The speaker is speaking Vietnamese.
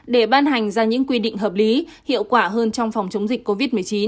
để ban đêm